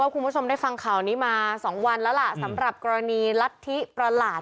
คุณผู้ชมได้ฟังข่าวนี้มา๒วันแล้วล่ะสำหรับกรณีรัฐธิประหลาด